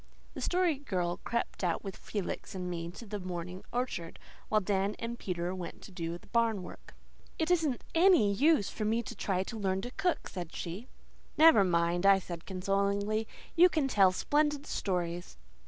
The Story Girl crept out with Felix and me to the morning orchard, while Dan and Peter went to do the barn work. "It isn't ANY use for me to try to learn to cook," she said. "Never mind," I said consolingly. "You can tell splendid stories."